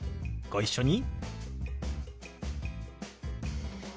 ご一緒に。